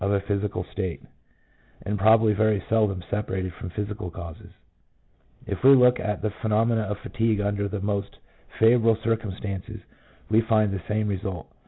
Bain, Emotions and Will, pp. i72f. EMOTIONS. 153 physical state, and probably very seldom separated from physical causes. If we look at the phenomena of fatigue under the most favourable circumstances, we find the same result.